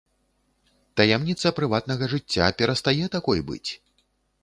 Таямніца прыватнага жыцця перастае такой быць.